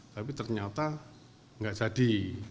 tapi ternyata nggak jadi